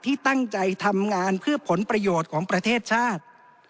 ที่ตั้งใจทำงานเพื่อผลประโยชน์ของประเทศชาติ